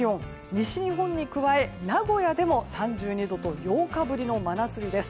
西日本に加え名古屋でも３２度と８日ぶりの真夏日です。